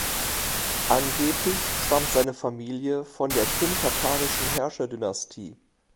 Angeblich stammt seine Familie von der krimtatarischen Herrscherdynastie.